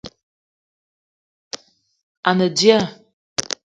A ne dia